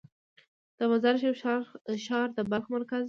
د مزار شریف ښار د بلخ مرکز دی